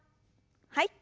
はい。